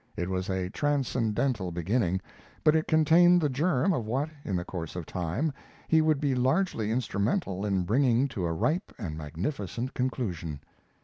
It was a transcendental beginning, but it contained the germ of what, in the course of time, he would be largely instrumental in bringing to a ripe and magnificent conclusion.